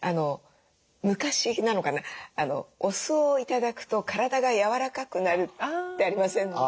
昔なのかなお酢を頂くと体がやわらかくなるってありませんでした？